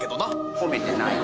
褒めてないわ。